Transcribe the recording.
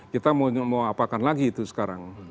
kita mau apakan lagi itu sekarang